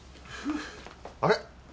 あれ？